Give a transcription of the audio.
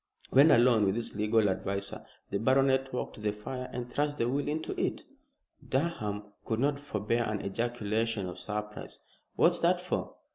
When alone with his legal adviser the baronet walked to the fire and thrust the will into it. Durham could not forbear an ejaculation of surprise, "What's that for?"